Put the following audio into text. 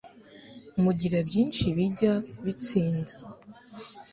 Mugira byinshi bijya bitsinda.